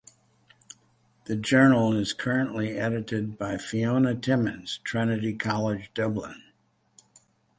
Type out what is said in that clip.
The journal is currently edited by Fiona Timmins (Trinity College Dublin).